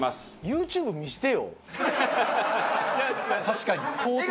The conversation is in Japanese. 確かに。